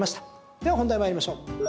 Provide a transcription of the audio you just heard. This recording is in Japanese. では本題、参りましょう。